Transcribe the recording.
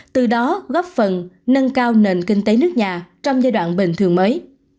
từ đó góp phần nâng cao nền kinh tế nước nhà trong giai đoạn bình thường mới